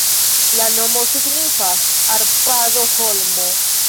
La nomo signifas Arpado-holmo.